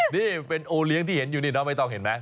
นี่เป็นโอเลี้ยงที่เห็นอยู่นี่น้องไม่ต้องเห็นไหม